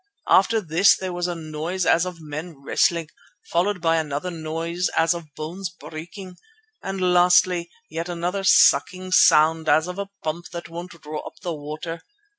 After this there was a noise as of men wrestling, followed by another noise as of bones breaking, and lastly, yet another sucking noise as of a pump that won't draw up the water.